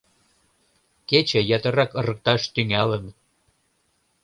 Кече ятырак ырыкташ тӱҥалын.